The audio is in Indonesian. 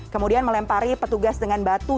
kemudian melempari petugas dengan batu